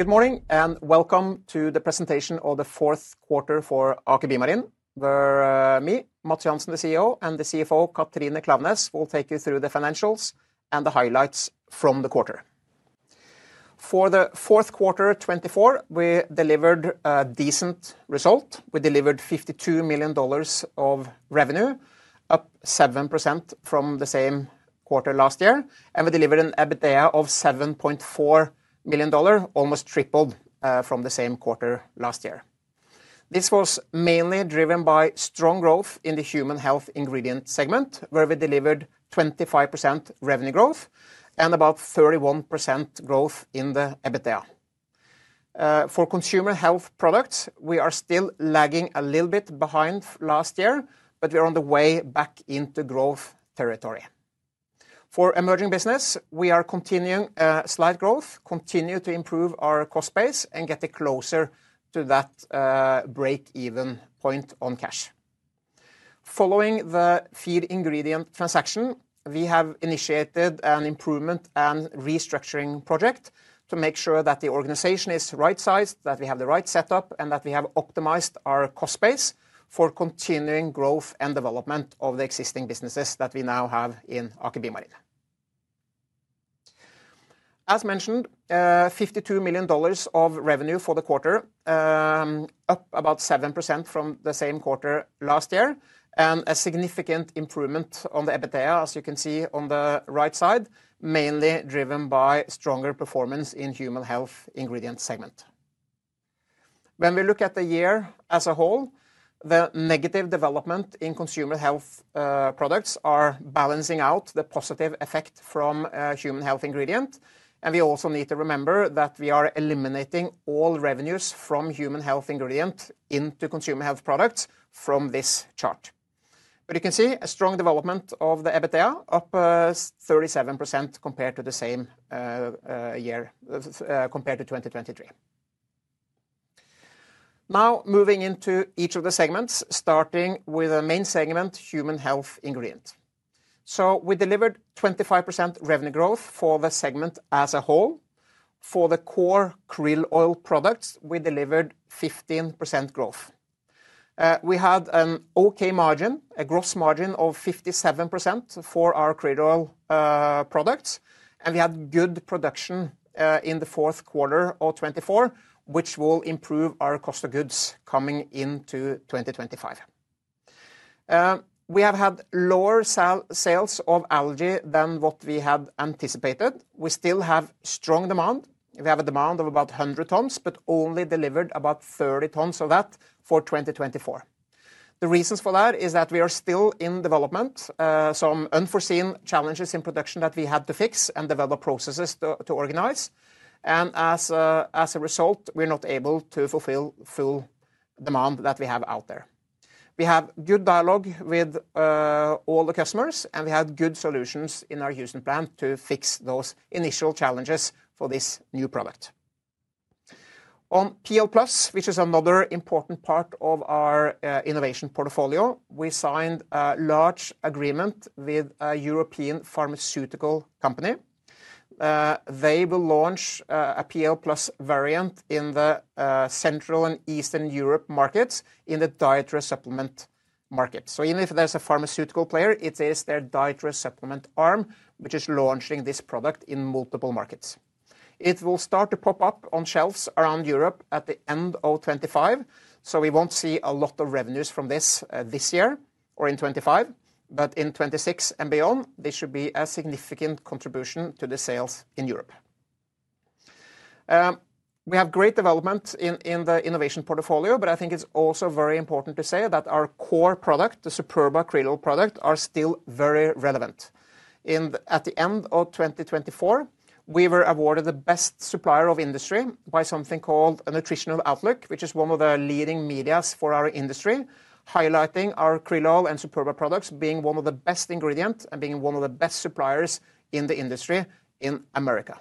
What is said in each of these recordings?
Good morning and welcome to the presentation of the fourth quarter for Aker BioMarine. We're me, Matts Johansen, the CEO, and the CFO, Katrine Klaveness, who will take you through the financials and the highlights from the quarter. For the fourth quarter 2024, we delivered a decent result. We delivered $52 million of revenue, up 7% from the same quarter last year, and we delivered an EBITDA of $7.4 million, almost tripled from the same quarter last year. This was mainly driven by strong growth in the Human Health Ingredients segment, where we delivered 25% revenue growth and about 31% growth in the EBITDA. For Consumer Health products, we are still lagging a little bit behind last year, but we are on the way back into growth territory. For Emerging Business, we are continuing slight growth, continue to improve our cost base and get closer to that break-even point on cash. Following the feed ingredient transaction, we have initiated an improvement and restructuring project to make sure that the organization is right sized, that we have the right setup, and that we have optimized our cost base for continuing growth and development of the existing businesses that we now have in Aker BioMarine. As mentioned, $52 million of revenue for the quarter, up about 7% from the same quarter last year, and a significant improvement on the EBITDA, as you can see on the right side, mainly driven by stronger performance in the Human Health Ingredients segment. When we look at the year as a whole, the negative development in Consumer Health Products are balancing out the positive effect from the Human Health Ingredients. We also need to remember that we are eliminating all revenues from the Human Health Ingredients into Consumer Health Products from this chart. But you can see a strong development of the EBITDA, up 37% compared to the same year compared to 2023. Now moving into each of the segments, starting with the main segment, Human Health Ingredients. So we delivered 25% revenue growth for the segment as a whole. For the core krill oil products, we delivered 15% growth. We had an okay margin, a gross margin of 57% for our krill oil products, and we had good production in the fourth quarter of 2024, which will improve our cost of goods coming into 2025. We have had lower sales of algae than what we had anticipated. We still have strong demand. We have a demand of about 100 tons, but only delivered about 30 tons of that for 2024. The reasons for that are that we are still in development, some unforeseen challenges in production that we had to fix and develop processes to organize. And as a result, we're not able to fulfill full demand that we have out there. We have good dialog with all the customers, and we have good solutions in our action plan to fix those initial challenges for this new product. On PL+, which is another important part of our innovation portfolio, we signed a large agreement with a European pharmaceutical company. They will launch a PL+ variant in the Central and Eastern Europe markets in the dietary supplement market. So even if there's a pharmaceutical player, it is their dietary supplement arm, which is launching this product in multiple markets. It will start to pop up on shelves around Europe at the end of 2025, so we won't see a lot of revenues from this this year or in 2025, but in 2026 and beyond, this should be a significant contribution to the sales in Europe. We have great development in the innovation portfolio, but I think it's also very important to say that our core product, the Superba krill oil product, is still very relevant. At the end of 2024, we were awarded the best supplier in the industry by something called Nutritional Outlook, which is one of the leading media for our industry, highlighting our krill oil and Superba products being one of the best ingredients and being one of the best suppliers in the industry in America.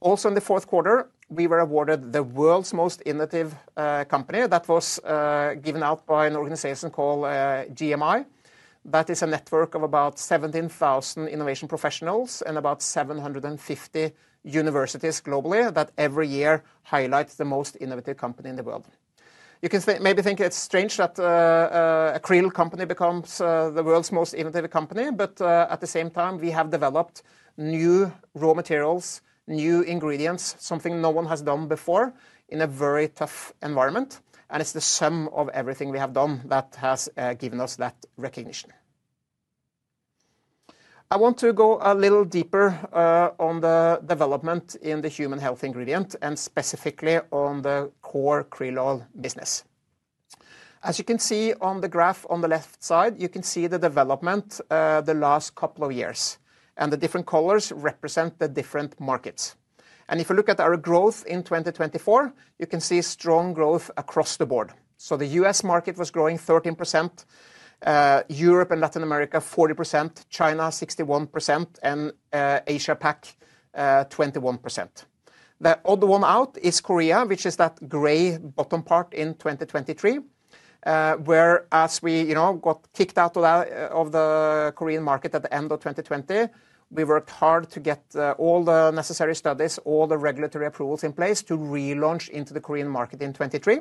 Also, in the fourth quarter, we were awarded the World's Most Innovative Company that was given out by an organization called GIMI. That is a network of about 17,000 innovation professionals and about 750 universities globally that every year highlight the most innovative company in the world. You can maybe think it's strange that a krill company becomes the World's Most Innovative Company, but at the same time, we have developed new raw materials, new ingredients, something no one has done before in a very tough environment. And it's the sum of everything we have done that has given us that recognition. I want to go a little deeper on the development in the Human Health Ingredients and specifically on the core krill oil business. As you can see on the graph on the left side, you can see the development the last couple of years, and the different colors represent the different markets. And if you look at our growth in 2024, you can see strong growth across the board. So the U.S. market was growing 13%, Europe and Latin America 40%, China 61%, and Asia-Pac 21%. The other one out is Korea, which is that gray bottom part in 2023, whereas we got kicked out of the Korean market at the end of 2020. We worked hard to get all the necessary studies, all the regulatory approvals in place to relaunch into the Korean market in 2023.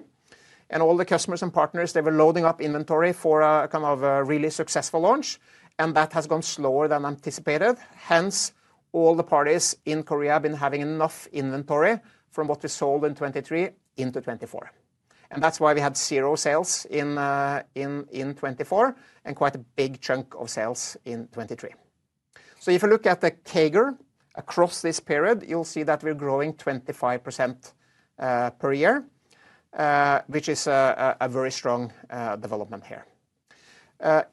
And all the customers and partners, they were loading up inventory for a kind of really successful launch, and that has gone slower than anticipated. Hence, all the parties in Korea have been having enough inventory from what we sold in 2023 into 2024. And that's why we had zero sales in 2024 and quite a big chunk of sales in 2023. So if you look at the CAGR across this period, you'll see that we're growing 25% per year, which is a very strong development here.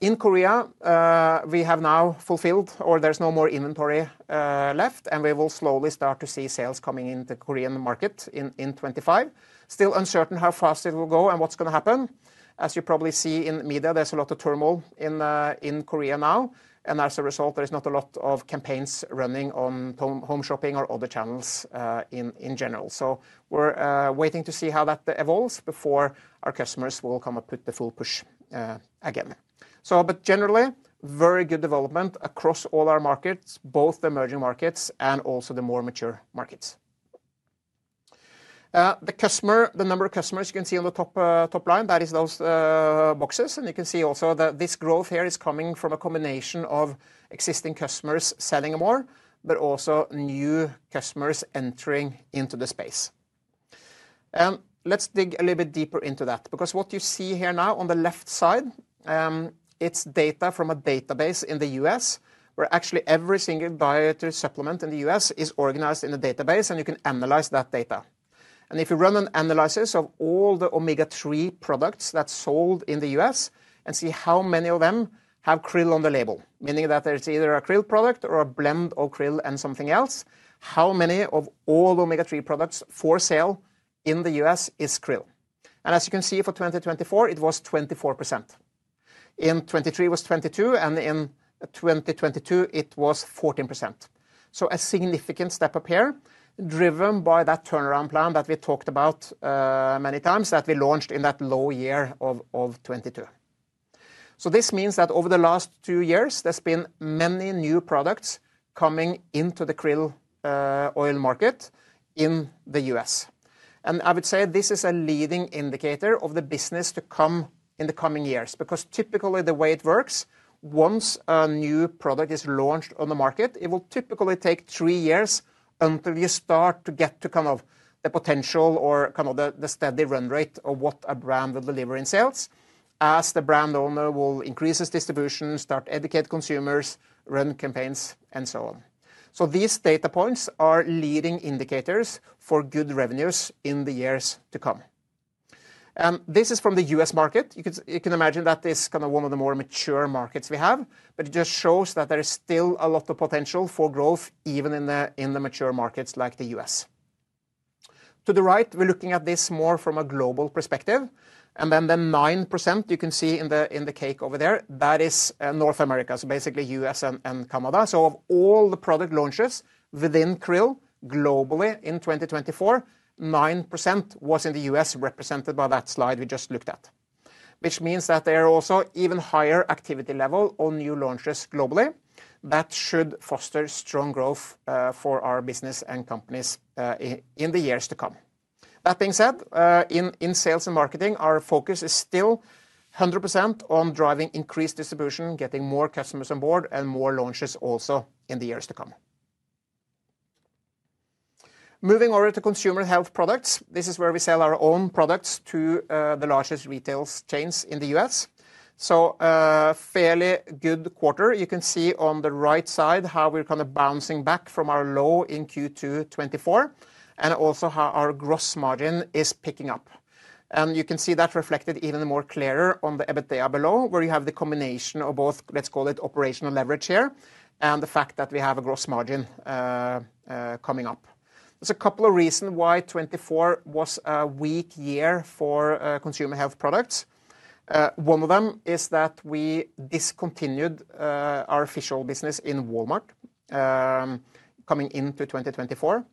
In Korea, we have now fulfilled, or there's no more inventory left, and we will slowly start to see sales coming into the Korean market in 2025. Still uncertain how fast it will go and what's going to happen. As you probably see in media, there's a lot of turmoil in Korea now, and as a result, there is not a lot of campaigns running on home shopping or other channels in general. So we're waiting to see how that evolves before our customers will kind of put the full push again. But generally, very good development across all our markets, both the emerging markets and also the more mature markets. The number of customers you can see on the top line, that is those boxes, and you can see also that this growth here is coming from a combination of existing customers selling more, but also new customers entering into the space. And let's dig a little bit deeper into that, because what you see here now on the left side, it's data from a database in the U.S., where actually every single dietary supplement in the U.S. is organized in a database, and you can analyze that data. If you run an analysis of all the omega-3 products that's sold in the U.S. and see how many of them have krill on the label, meaning that there's either a krill product or a blend of krill and something else, how many of all omega-3 products for sale in the U.S. is rill. As you can see, for 2024, it was 24%. In 2023, it was 22%, and in 2022, it was 14%. This is a significant step up here drivekn by that turnaround plan that we talked about many times that we launched in that low year of 2022. This means that over the last two years, there's been many new products coming into the krill oil market in the U.S. I would say this is a leading indicator of the business to come in the coming years, because typically the way it works, once a new product is launched on the market, it will typically take three years until you start to get to kind of the potential or kind of the steady run rate of what a brand will deliver in sales, as the brand owner will increase its distribution, start to educate consumers, run campaigns, and so on. So these data points are leading indicators for good revenues in the years to come. This is from the U.S. market. You can imagine that this is kind of one of the more mature markets we have, but it just shows that there is still a lot of potential for growth even in the mature markets like the U.S. To the right, we're looking at this more from a global perspective, and then the 9% you can see in the cake over there, that is North America, so basically U.S., and Canada, so of all the product launches within krill globally in 2024, 9% was in the U.S., represented by that slide we just looked at, which means that there are also even higher activity levels on new launches globally that should foster strong growth for our business and companies in the years to come. That being said, in sales and marketing, our focus is still 100% on driving increased distribution, getting more customers on board, and more launches also in the years to come. Moving over to Consumer Health Products, this is where we sell our own products to the largest retail chains in the U.S., so a fairly good quarter. You can see on the right side how we're kind of bouncing back from our low in Q2 2024 and also how our gross margin is picking up. And you can see that reflected even more clearer on the EBITDA below, where you have the combination of both, let's call it operational leverage here, and the fact that we have a gross margin coming up. There's a couple of reasons why 2024 was a weak year for Consumer Health Products. One of them is that we discontinued our official business in Walmart coming into 2024.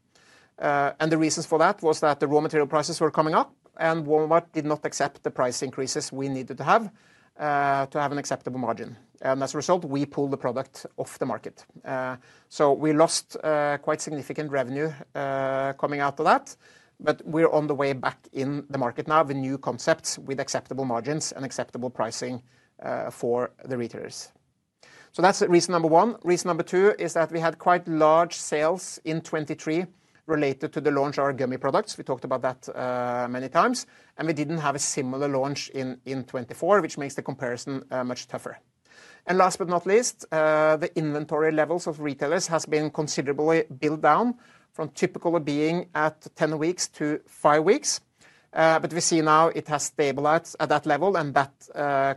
And the reasons for that was that the raw material prices were coming up, and Walmart did not accept the price increases we needed to have to have an acceptable margin. And as a result, we pulled the product off the market. So we lost quite significant revenue coming out of that, but we're on the way back in the market now with new concepts with acceptable margins and acceptable pricing for the retailers. So that's reason number one. Reason number two is that we had quite large sales in 2023 related to the launch of our gummy products. We talked about that many times, and we didn't have a similar launch in 2024, which makes the comparison much tougher. And last but not least, the inventory levels of retailers have been considerably built down from typical of being at 10 weeks to five weeks. But we see now it has stabilized at that level, and that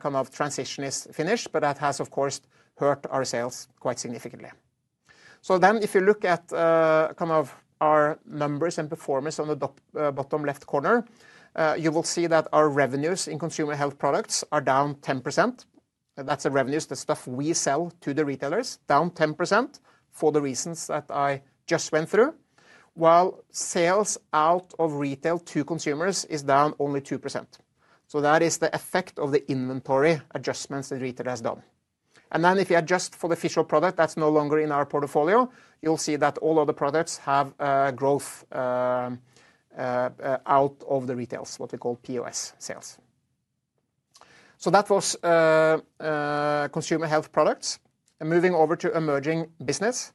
kind of transition is finished, but that has, of course, hurt our sales quite significantly. So then if you look at kind of our numbers and performance on the bottom left corner, you will see that our revenues in Consumer Health Products are down 10%. That's the revenues, the stuff we sell to the retailers, down 10% for the reasons that I just went through, while sales out of retail to consumers is down only 2%. So that is the effect of the inventory adjustments the retailer has done. And then if you adjust for the official product that's no longer in our portfolio, you'll see that all other products have growth out of the retail, what we call POS sales. So that was Consumer Health Products. And moving over to emerging business,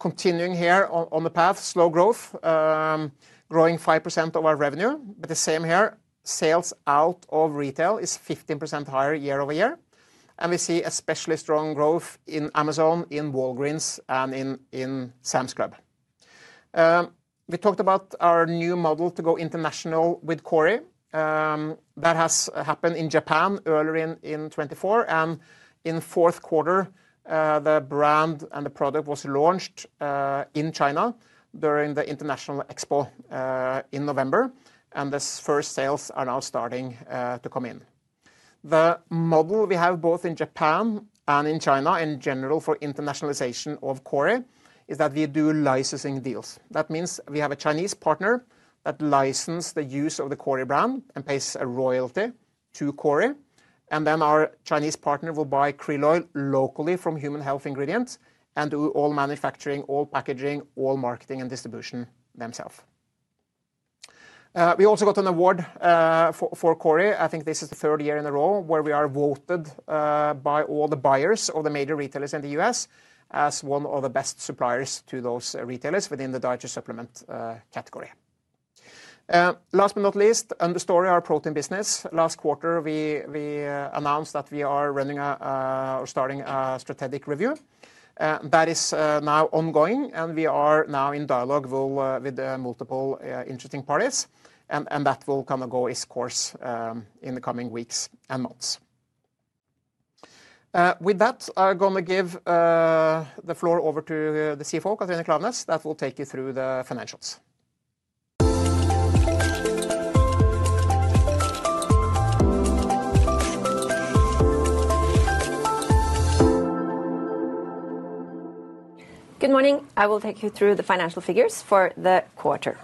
continuing here on the path, slow growth, growing 5% of our revenue, but the same here, sales out of retail is 15% higher year-over-year. We see especially strong growth in Amazon, in Walgreens, and in Sam's Club. We talked about our new model to go international with Kori. That has happened in Japan earlier in 2024, and in fourth quarter, the brand and the product was launched in China during the international expo in November, and the first sales are now starting to come in. The model we have both in Japan and in China in general for internationalization of Kori is that we do licensing deals. That means we have a Chinese partner that licenses the use of the Kori brand and pays a royalty to Kori. And then our Chinese partner will buy krill oil locally from Human Health Ingredients and do all manufacturing, all packaging, all marketing, and distribution themselves. We also got an award for Kori. I think this is the third year in a row where we are voted by all the buyers of the major retailers in the U.S., as one of the best suppliers to those retailers within the dietary supplement category. Last but not least, Understory, our protein business. Last quarter, we announced that we are running or starting a strategic review. That is now ongoing, and we are now in dialogue with multiple interesting parties, and that will kind of go its course in the coming weeks and months. With that, I'm going to give the floor over to the CFO, Katrine Klaveness, that will take you through the financials. Good morning. I will take you through the financial figures for the quarter.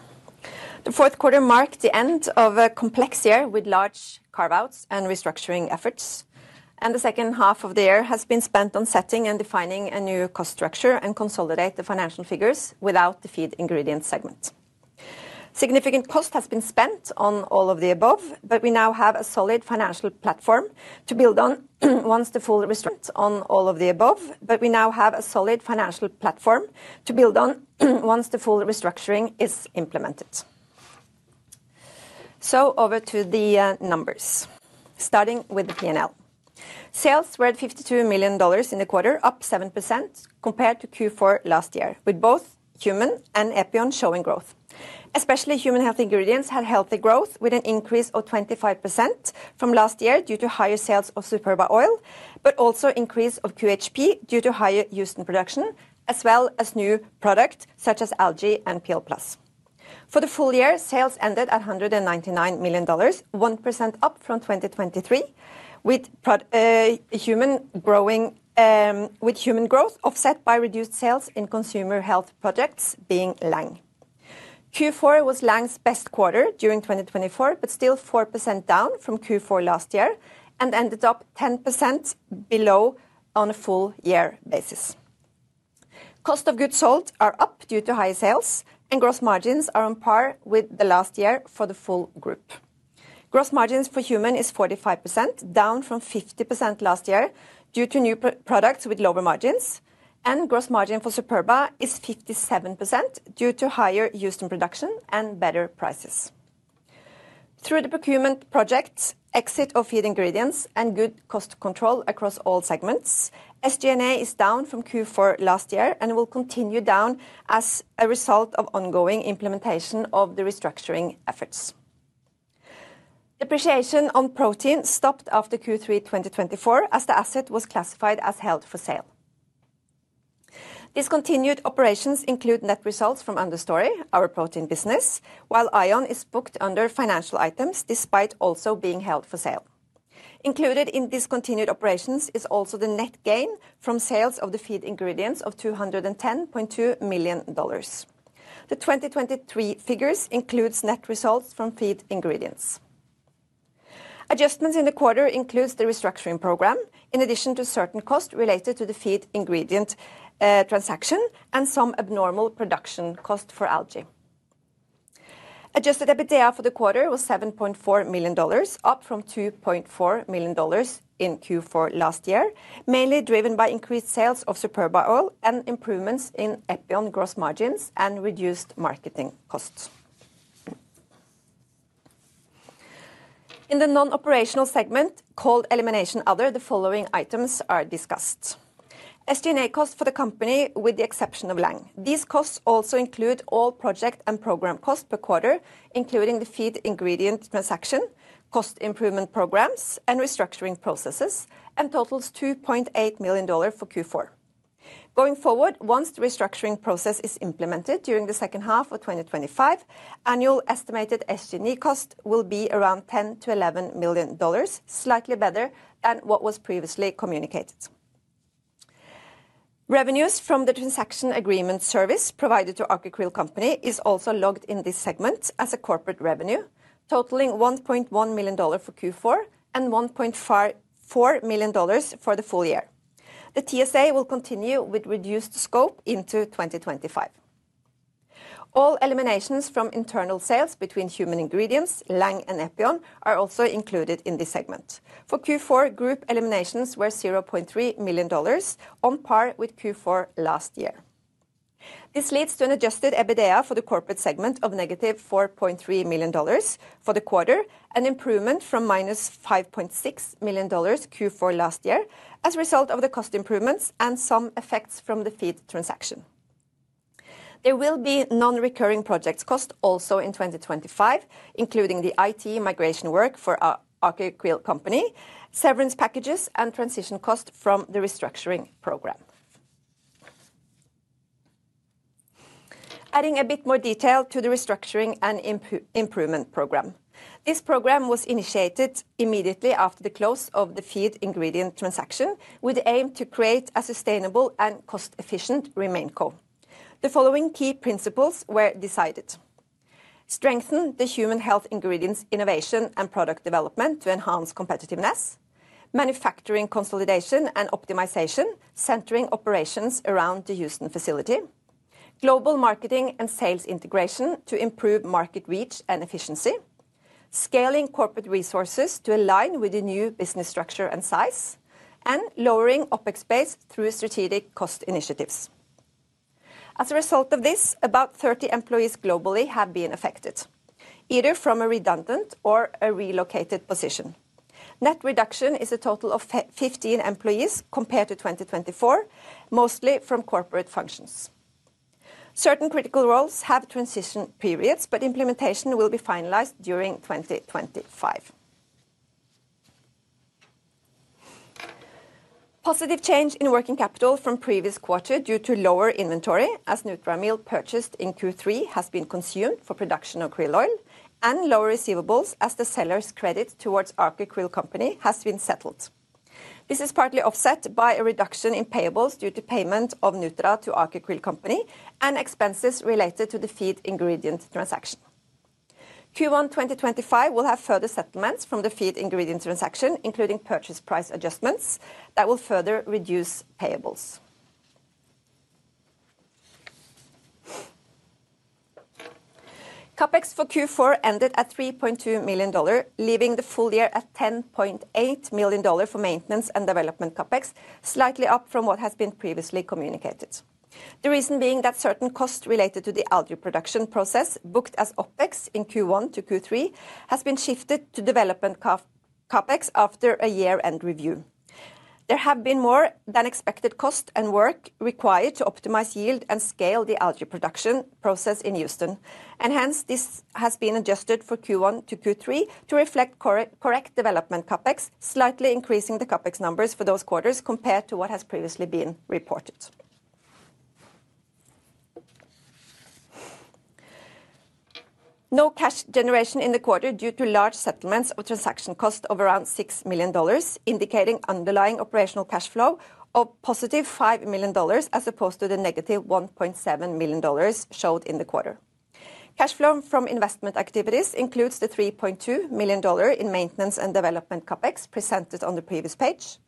The fourth quarter marked the end of a complex year with large carve-outs and restructuring efforts. The second half of the year has been spent on setting and defining a new cost structure and consolidating the financial figures without the Feed Ingredient segment. Significant cost has been spent on all of the above, but we now have a solid financial platform to build on once the full restructuring is complete. Over to the numbers, starting with the P&L. Sales were at $52 million in the quarter, up 7% compared to Q4 last year, with both human and EPION showing growth. Especially Human Health Ingredients had healthy growth with an increase of 25% from last year due to higher sales of Superba Oil, but also an increase of QHP due to higher Houston production, as well as new products such as algae and PL+. For the full year, sales ended at $199 million, 1% up from 2023, with Human Health Growth offset by reduced sales in Consumer Health Products being Lang. Q4 was Lang's best quarter during 2024, but still 4% down from Q4 last year and ended up 10% below on a full year basis. Cost of goods sold are up due to high sales, and gross margins are on par with the last year for the full group. Gross margins for human is 45%, down from 50% last year due to new products with lower margins, and gross margin for Superba is 57% due to higher Houston production and better prices. Through the procurement projects, exit of feed ingredients, and good cost control across all segments, SG&A is down from Q4 last year and will continue down as a result of ongoing implementation of the restructuring efforts. Depreciation on protein stopped after Q3 2024 as the asset was classified as held for sale. Discontinued operations include net results from Understory, our protein business, while AION is booked under financial items despite also being held for sale. Included in discontinued operations is also the net gain from sales of the Feed Ingredients of $210.2 million. The 2023 figures include net results from feed ingredients. Adjustments in the quarter include the restructuring program, in addition to certain costs related to the feed ingredient transaction and some abnormal production cost for algae. Adjusted EBITDA for the quarter was $7.4 million, up from $2.4 million in Q4 last year, mainly driven by increased sales of Superba Oil and improvements in EPION gross margins and reduced marketing costs. In the non-operational segment, called Elimination Other, the following items are discussed. SG&A costs for the company with the exception of Lang. These costs also include all project and program costs per quarter, including the feed ingredient transaction, cost improvement programs, and restructuring processes, and totals $2.8 million for Q4. Going forward, once the restructuring process is implemented during the second half of 2025, annual estimated SG&A costs will be around $10 million-$11 million, slightly better than what was previously communicated. Revenues from the transaction agreement service provided to Antarctic Krill Company are also logged in this segment as a corporate revenue, totaling $1.1 million for Q4 and $1.4 million for the full year. The TSA will continue with reduced scope into 2025. All eliminations from internal sales between Human Ingredients, Lang, and EPION are also included in this segment. For Q4, group eliminations were $0.3 million, on par with Q4 last year. This leads to an Adjusted EBITDA for the corporate segment of -$4.3 million for the quarter, an improvement from -$5.6 million Q4 last year as a result of the cost improvements and some effects from the feed transaction. There will be non-recurring projects costs also in 2025, including the IT migration work for Antarctic Krill Company, severance packages, and transition costs from the restructuring program. Adding a bit more detail to the restructuring and improvement program. This program was initiated immediately after the close of the feed ingredient transaction with the aim to create a sustainable and cost-efficient remaining co. The following key principles were decided: strengthen the Human Health Ingredients innovation and product development to enhance competitiveness. Manufacturing consolidation and optimization, centering operations around the Houston facility. Global marketing and sales integration to improve market reach and efficiency. Scaling corporate resources to align with the new business structure and size. And lowering OpEx base through strategic cost initiatives. As a result of this, about 30 employees globally have been affected, either from a redundant or a relocated position. Net reduction is a total of 15 employees compared to 2024, mostly from corporate functions. Certain critical roles have transition periods, but implementation will be finalized during 2025. Positive change in working capital from previous quarter due to lower inventory as Nutra meal purchased in Q3 has been consumed for production of krill oil, and lower receivables as the seller's credit towards Antarctic Krill Company has been settled. This is partly offset by a reduction in payables due to payment of Nutra to Antarctic Krill Company and expenses related to the feed ingredient transaction. Q1 2025 will have further settlements from the feed ingredient transaction, including purchase price adjustments that will further reduce payables. CapEx for Q4 ended at $3.2 million, leaving the full year at $10.8 million for maintenance and development CapEx, slightly up from what has been previously communicated. The reason being that certain costs related to the algae production process booked as OpEx in Q1 -Q3 have been shifted to development CapEx after a year-end review. There have been more than expected costs and work required to optimize yield and scale the algae production process in Houston, and hence this has been adjusted for Q1-Q3 to reflect correct development CapEx, slightly increasing the CapEx numbers for those quarters compared to what has previously been reported. No cash generation in the quarter due to large settlements of transaction costs of around $6 million, indicating underlying operational cash flow of +$5 million as opposed to the -$1.7 million shown in the quarter. Cash flow from investment activities includes the $3.2 million in maintenance and development CapEx presented on the previous page.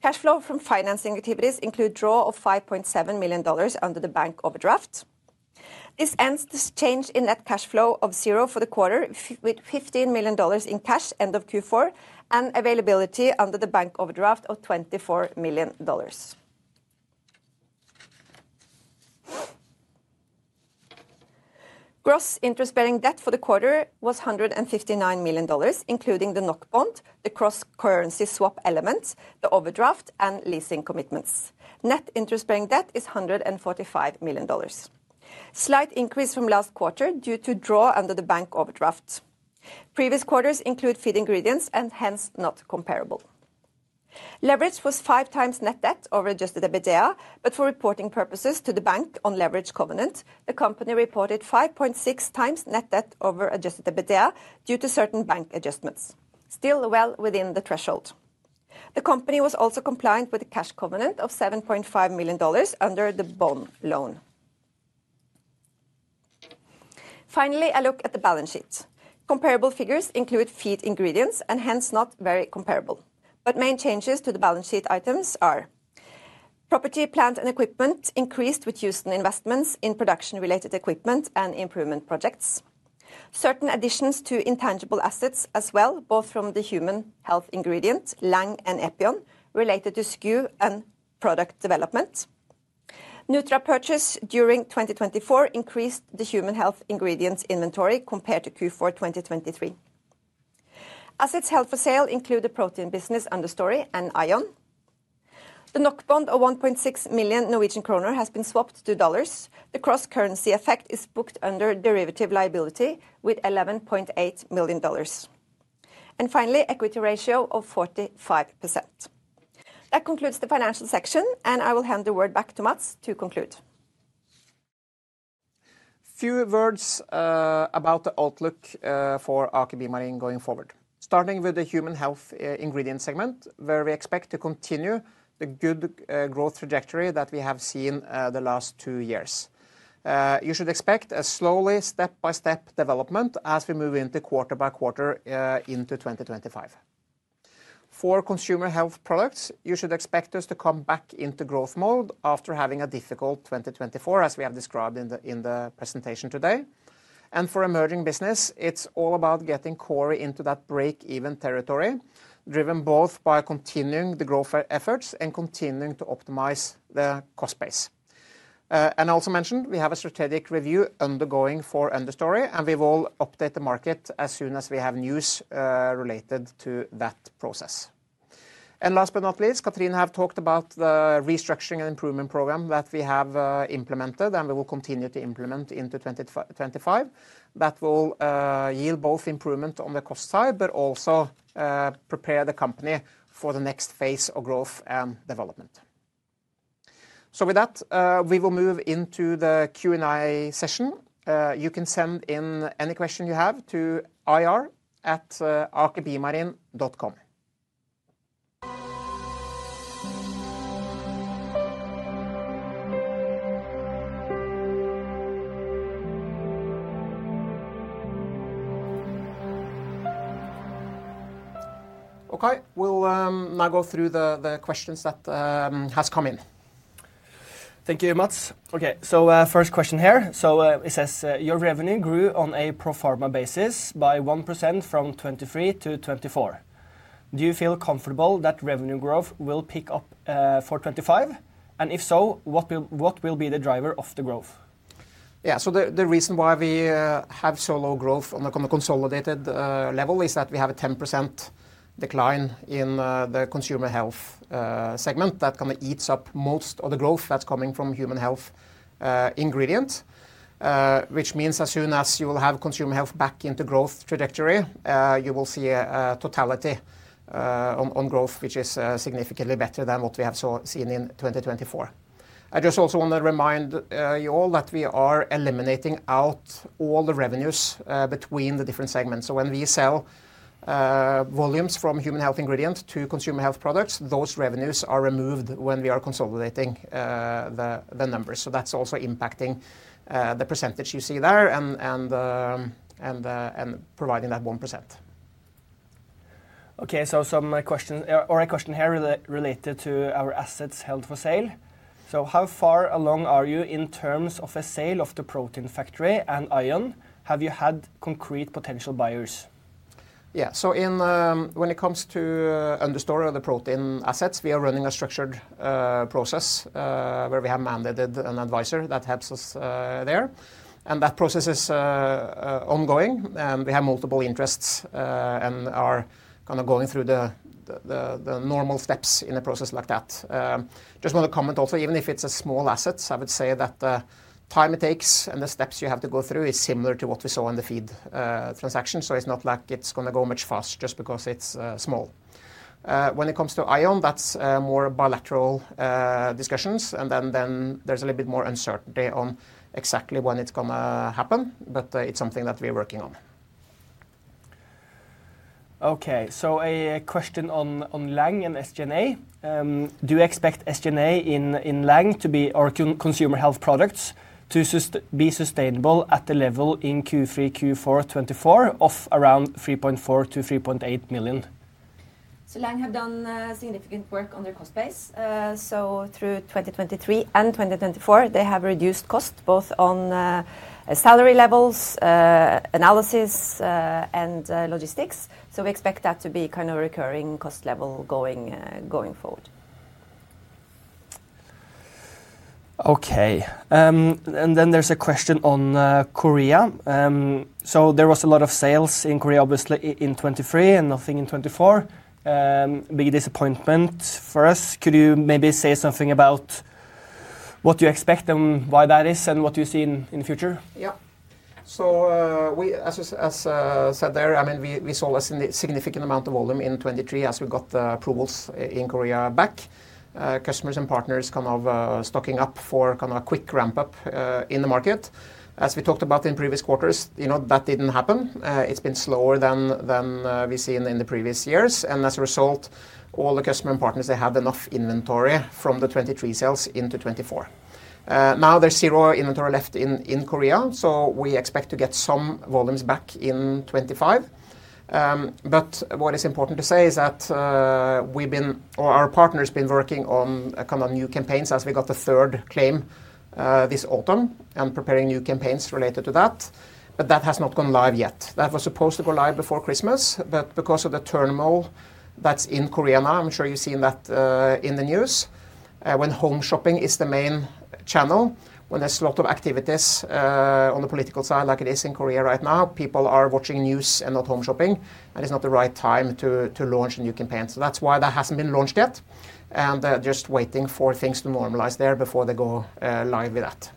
Cash flow from financing activities includes a draw of $5.7 million under the bank overdraft. This ends the change in net cash flow of zero for the quarter with $15 million in cash end of Q4 and availability under the bank overdraft of $24 million. Gross interest-bearing debt for the quarter was $159 million, including the NOK bond, the cross-currency swap elements, the overdraft, and leasing commitments. Net interest-bearing debt is $145 million. Slight increase from last quarter due to a draw under the bank overdraft. Previous quarters include feed ingredients and hence not comparable. Leverage was 5x net debt over Adjusted EBITDA, but for reporting purposes to the bank on leverage covenant, the company reported 5.6x net debt over Adjusted EBITDA due to certain bank adjustments. Still well within the threshold. The company was also compliant with the cash covenant of $7.5 million under the bond loan. Finally, a look at the balance sheet. Comparable figures include feed ingredients and hence not very comparable, but main changes to the balance sheet items are property, plant, and equipment increased with Houston investments in production-related equipment and improvement projects. Certain additions to intangible assets as well, both from the Human Health Ingredients, Lang, and EPION, related to SKU and product development. Nutra purchase during 2024 increased the Human Health Ingredients inventory compared to Q4 2023. Assets held for sale include the protein business, Understory, and AION. The NOK bond of 1.6 million Norwegian kroner has been swapped to dollars. The cross-currency effect is booked under derivative liability with $11.8 million, and finally, an equity ratio of 45%. That concludes the financial section, and I will hand the word back to Matts to conclude. A few words about the outlook for Aker BioMarine going forward. Starting with the Human Health Ingredients segment, where we expect to continue the good growth trajectory that we have seen the last two years. You should expect a slowly, step-by-step development as we move into quarter by quarter into 2025. For Consumer Health Products, you should expect us to come back into growth mode after having a difficult 2024, as we have described in the presentation today, and for emerging business, it's all about getting Kori into that break-even territory, driven both by continuing the growth efforts and continuing to optimize the cost base, and I also mentioned we have a strategic review undergoing for Understory, and we will update the market as soon as we have news related to that process, and last but not least, Katrine has talked about the restructuring and improvement program that we have implemented and we will continue to implement into 2025. That will yield both improvement on the cost side, but also prepare the company for the next phase of growth and development. So with that, we will move into the Q&A session. You can send in any question you have to ir@akerbiomarine.com. Okay, we'll now go through the questions that have come in. Thank you, Matts. Okay, so first question here. So it says your revenue grew on a pro forma basis by 1% from 2023-2024. Do you feel comfortable that revenue growth will pick up for 2025? And if so, what will be the driver of the growth? Yeah, so the reason why we have so low growth on a consolidated level is that we have a 10% decline in the Consumer Health segment that kind of eats up most of the growth that's coming from Human Health Ingredients, which means as soon as you will have Consumer Health back into growth trajectory, you will see a totality on growth, which is significantly better than what we have seen in 2024. I just also want to remind you all that we are eliminating out all the revenues between the different segments. So when we sell volumes from Human Health Ingredients to Consumer Health Products, those revenues are removed when we are consolidating the numbers. So that's also impacting the percentage you see there and providing that 1%. Okay, so some questions or a question here related to our assets held for sale. So how far along are you in terms of a sale of the protein factory and AION? Have you had concrete potential buyers? Yeah, so when it comes to Understory or the protein assets, we are running a structured process where we have mandated an advisor that helps us there. And that process is ongoing. We have multiple interests and are kind of going through the normal steps in a process like that. Just want to comment also, even if it's a small asset, I would say that the time it takes and the steps you have to go through is similar to what we saw in the feed transaction. So it's not like it's going to go much fast just because it's small. When it comes to AION, that's more bilateral discussions. There's a little bit more uncertainty on exactly when it's going to happen, but it's something that we are working on. Okay, so a question on Lang and SG&A. Do you expect SG&A in Lang to be or Consumer Health Products to be sustainable at the level in Q3, Q4 2024 of around $3.4 million-$3.8 million? So Lang have done significant work on their cost base. So through 2023 and 2024, they have reduced costs both on salary levels, analysis, and logistics. So we expect that to be kind of a recurring cost level going forward. Okay, and then there's a question on Korea. So there was a lot of sales in Korea, obviously, in 2023 and nothing in 2024. Big disappointment for us. Could you maybe say something about what you expect and why that is and what you see in the future? Yeah, so as I said there, I mean, we saw a significant amount of volume in 2023 as we got the approvals in Korea back. Customers and partners kind of stocking up for kind of a quick ramp-up in the market. As we talked about in previous quarters, you know, that didn't happen. It's been slower than we've seen in the previous years. And as a result, all the customer and partners, they had enough inventory from the 2023 sales into 2024. Now there's zero inventory left in Korea, so we expect to get some volumes back in 2025. But what is important to say is that we've been, or our partners have been working on kind of new campaigns as we got the third claim this autumn and preparing new campaigns related to that. But that has not gone live yet. That was supposed to go live before Christmas, but because of the turmoil that's in Korea now, I'm sure you've seen that in the news. When home shopping is the main channel, when there's a lot of activities on the political side like it is in Korea right now, people are watching news and not home shopping, and it's not the right time to launch a new campaign. So that's why that hasn't been launched yet. And just waiting for things to normalize there before they go live with that.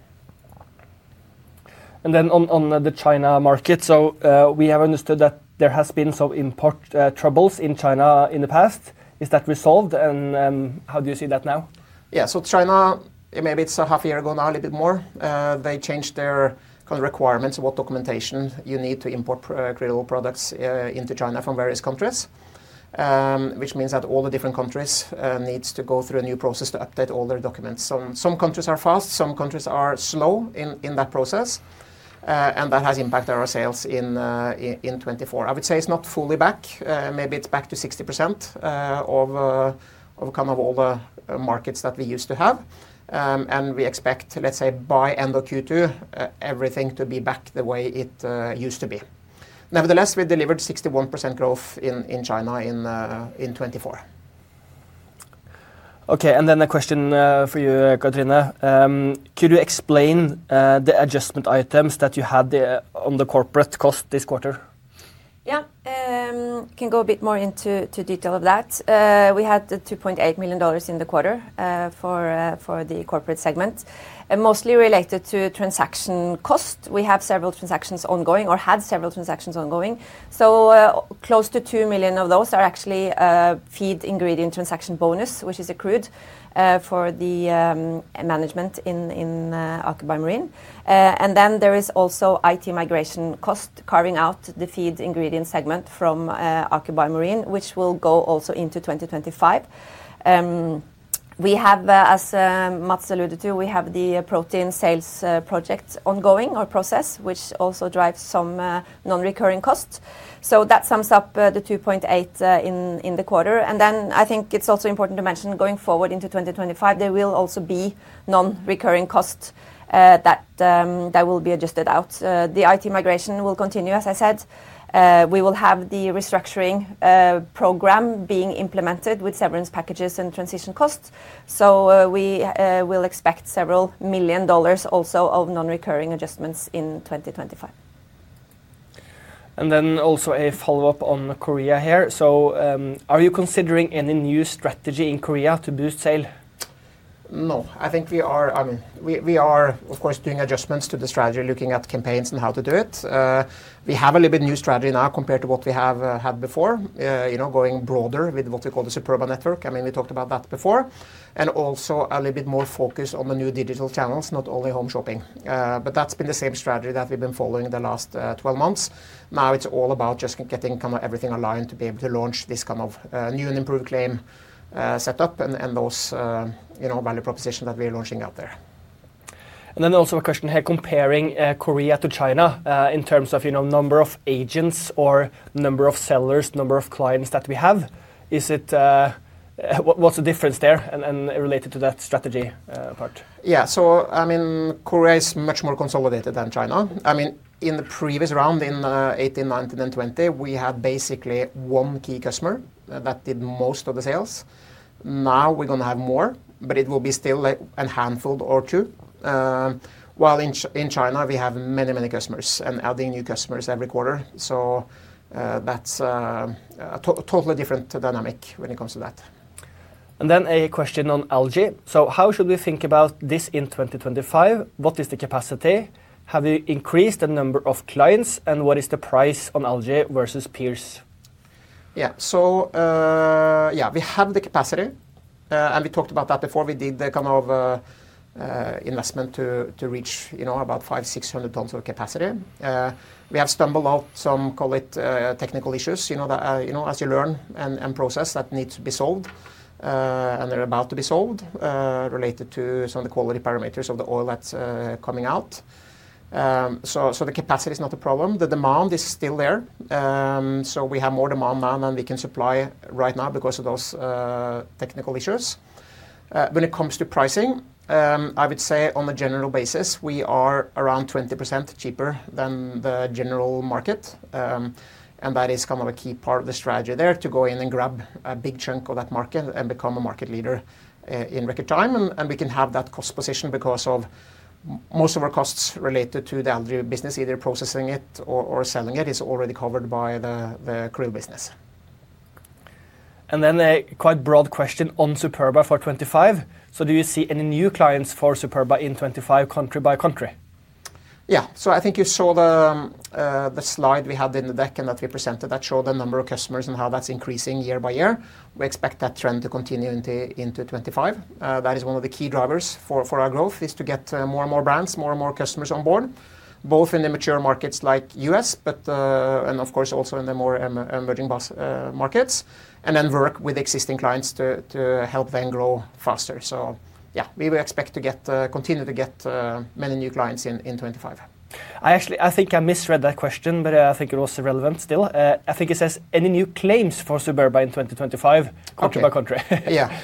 And then on the China market, so we have understood that there has been some import troubles in China in the past. Is that resolved? And how do you see that now? Yeah, so China, maybe it's a half a year ago now, a little bit more. They changed their kind of requirements of what documentation you need to import critical products into China from various countries, which means that all the different countries need to go through a new process to update all their documents. Some countries are fast, some countries are slow in that process, and that has impacted our sales in 2024. I would say it's not fully back. Maybe it's back to 60% of kind of all the markets that we used to have. And we expect, let's say, by end of Q2, everything to be back the way it used to be. Nevertheless, we delivered 61% growth in China in 2024. Okay, and then a question for you, Katrine. Could you explain the adjustment items that you had on the corporate cost this quarter? Yeah, I can go a bit more into detail of that. We had $2.8 million in the quarter for the corporate segment, mostly related to transaction cost. We have several transactions ongoing or had several transactions ongoing, so close to $2 million of those are actually feed ingredient transaction bonus, which is accrued for the management in Aker BioMarine. Then there is also IT migration cost carving out the feed ingredient segment from Aker BioMarine, which will go also into 2025. We have, as Matts alluded to, we have the protein sales project ongoing or process, which also drives some non-recurring costs, so that sums up the $2.8 in the quarter. Then I think it's also important to mention going forward into 2025, there will also be non-recurring costs that will be adjusted out. The IT migration will continue, as I said. We will have the restructuring program being implemented with severance packages and transition costs. We will expect several million dollars also of non-recurring adjustments in 2025. Then also a follow-up on Korea here. Are you considering any new strategy in Korea to boost sales? No, I think we are. I mean, we are, of course, doing adjustments to the strategy, looking at campaigns and how to do it. We have a little bit new strategy now compared to what we have had before, you know, going broader with what we call the Superba network. I mean, we talked about that before. Also a little bit more focus on the new digital channels, not only home shopping. That's been the same strategy that we've been following the last 12 months. Now it's all about just getting kind of everything aligned to be able to launch this kind of new and improved claim setup and those, you know, value propositions that we are launching out there. And then also a question here, comparing Korea to China in terms of, you know, number of agents or number of sellers, number of clients that we have. Is it? What's the difference there and related to that strategy part? Yeah, so I mean, Korea is much more consolidated than China. I mean, in the previous round, in 2018, 2019, and 2020, we had basically one key customer that did most of the sales. Now we're going to have more, but it will be still a handful or two. While in China, we have many, many customers and adding new customers every quarter. So that's a totally different dynamic when it comes to that. A question on Lang. So how should we think about this in 2025? What is the capacity? Have you increased the number of clients and what is the price on Lang versus peers? Yeah, so yeah, we have the capacity and we talked about that before. We did the kind of investment to reach, you know, about 500-600 tons of capacity. We have stumbled on some call it technical issues, you know, as you learn and process that need to be solved and are about to be solved related to some of the quality parameters of the oil that's coming out. So the capacity is not a problem. The demand is still there. So we have more demand now than we can supply right now because of those technical issues. When it comes to pricing, I would say on a general basis, we are around 20% cheaper than the general market. And that is kind of a key part of the strategy there to go in and grab a big chunk of that market and become a market leader in record time. And we can have that cost position because most of our costs related to the krill business, either processing it or selling it, is already covered by the krill business. And then a quite broad question on Superba for 2025. So do you see any new clients for Superba in 2025 country-by-country? Yeah, so I think you saw the slide we had in the deck and that we presented that showed the number of customers and how that's increasing year-by-year. We expect that trend to continue into 2025. That is one of the key drivers for our growth is to get more and more brands, more and more customers on board, both in the mature markets like the U.S., but of course also in the more emerging markets, and then work with existing clients to help them grow faster. So yeah, we will expect to continue to get many new clients in 2025. I actually, I think I misread that question, but I think it was relevant still. I think it says any new claims for Superba in 2025 country-by-country? Yeah,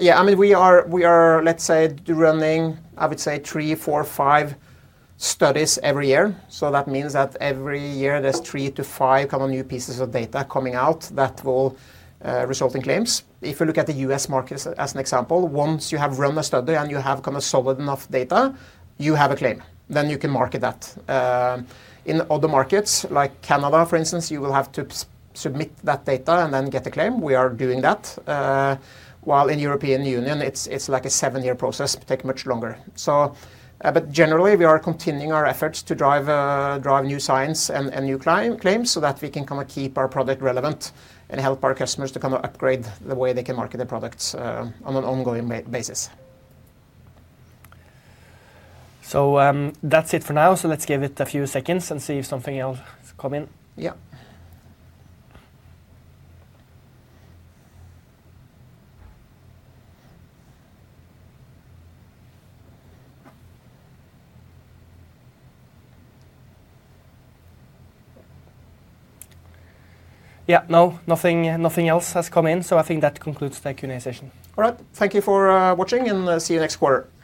yeah, I mean, we are, let's say, running, I would say, three, four, five studies every year. So that means that every year there's 3-5 kind of new pieces of data coming out that will result in claims. If you look at the U.S. market as an example, once you have run the study and you have kind of solid enough data, you have a claim. Then you can market that. In other markets, like Canada, for instance, you will have to submit that data and then get a claim. We are doing that. While in the European Union, it's like a seven-year process, take much longer. But generally, we are continuing our efforts to drive new science and new claims so that we can kind of keep our product relevant and help our customers to kind of upgrade the way they can market their products on an ongoing basis. So that's it for now. So let's give it a few seconds and see if something else comes in. Yeah. Yeah, no, nothing else has come in. So I think that concludes the Q&A session. All right, thank you for watching and see you next quarter. Bye.